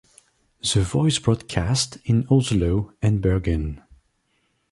The Voice broadcast in Oslo and Bergen.